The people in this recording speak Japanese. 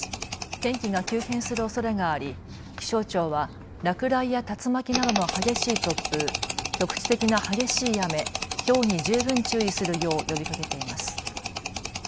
天気が急変するおそれがあり気象庁は落雷や竜巻などの激しい突風、局地的な激しい雨、ひょうに十分注意するよう呼びかけています。